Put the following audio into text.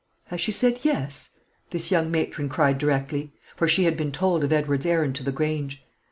"Has she said 'yes'?" this young matron cried directly; for she had been told of Edward's errand to the Grange.